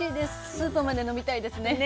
スープまで飲みたいですね。